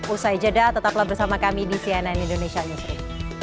usai jeda tetaplah bersama kami di cnn indonesia newsroom